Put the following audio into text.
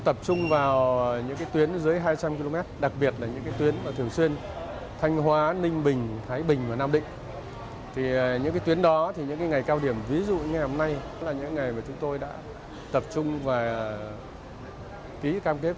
tập trung và ký cam kếp các đơn vị vận tải